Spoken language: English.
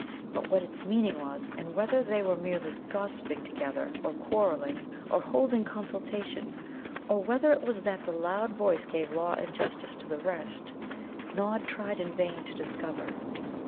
But what its meaning was, and whether they were merely gossiping together, or quarrelling, or holding consultation, or whether it was that the loud voice gave law and justice to the rest, Nod tried in vain to discover.